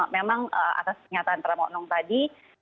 memang atas kenyataan pramono anung tadi